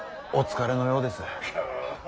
お疲れのようです。